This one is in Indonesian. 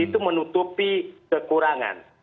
itu menutupi kekurangan